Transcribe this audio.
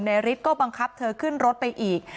ฤทธิ์ก็บังคับเธอขึ้นรถไปอีก